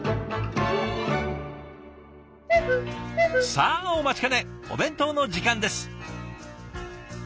さあお待ちかねお弁当の時間です。